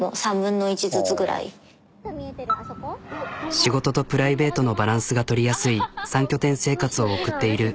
仕事とプライベートのバランスが取りやすい３拠点生活を送っている。